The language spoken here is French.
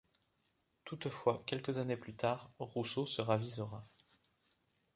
Toutefois, quelques années plus tard, Rousseau se ravisera.